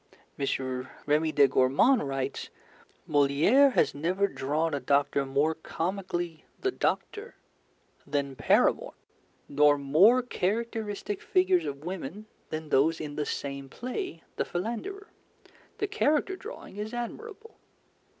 M. Remy de Gourmont writes: 'Molière has never drawn a doctor more comically "the doctor" than Paramore, nor more characteristic figures of women than those in the same play, The Philanderer. The character drawing is admirable.'"